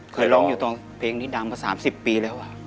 เคยร้องอยู่ตอนเพลงนี้ดังมา๓๐ปีแล้ว